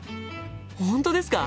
本当ですか？